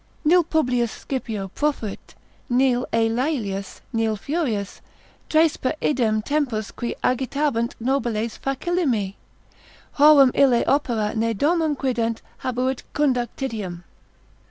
Nil Publius Scipio profuit, nil ei Laelius, nil Furius, Tres per idem tempus qui agitabant nobiles facillime, Horum ille opera ne domum quident habuit conductitiam.